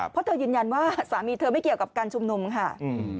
เพราะเธอยืนยันว่าสามีเธอไม่เกี่ยวกับการชุมนุมค่ะ